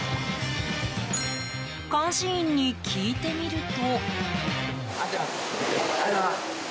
監視員に聞いてみると。